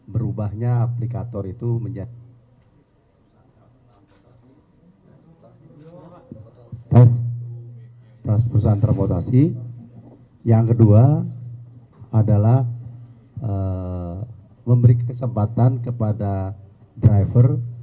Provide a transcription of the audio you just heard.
perusahaan transportasi yang kedua adalah memberikan kesempatan kepada driver